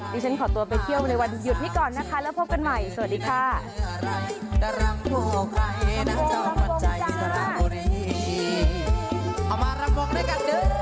ฉันขอตัวไปเที่ยวในวันหยุดนี้ก่อนนะคะแล้วพบกันใหม่สวัสดีค่ะ